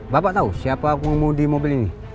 bapak tahu siapa pengemudi mobil ini